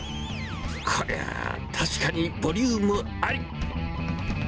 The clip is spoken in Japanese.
こりゃあ、確かにボリュームあり。